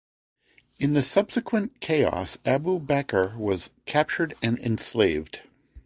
In the subsequent chaos Abu Bakr was captured and enslaved.